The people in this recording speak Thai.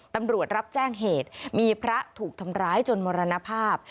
ตำรวจรับแจ้งเหตุมีพระถูกทำร้ายจนมรณภาพ